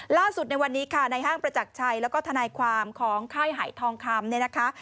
ล่าสุดในวันนี้ในฮ่างประจักรชัยแล้วก็ธนาความของไข่หายทองคำ